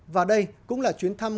và đây cũng là chuyến thăm